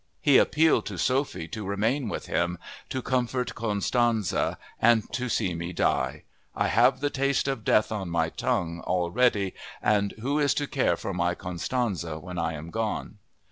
He appealed to Sophie to remain with him, to comfort Constanze, and to "see me die. I have the taste of death on my tongue already and who is to care for my Constanze when I am gone?"